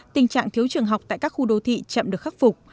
tình trạng thiếu trường học tại các khu đô thị chậm được khắc phục